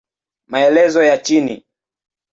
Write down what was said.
Maelezo ya chini